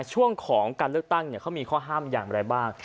ช่วงของการเลือกตั้งเขามีข้อห้ามอย่างไรบ้าง